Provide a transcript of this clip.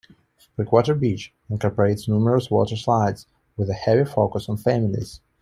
Breakwater Beach incorporates numerous water slides with a heavy focus on families.